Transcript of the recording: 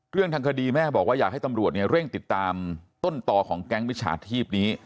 เรื่องทางคดีแม่บอกว่าอยากให้ตำรวจเนี่ยเร่งติดตามต้นต่อของแก๊งวิชาชีพนี้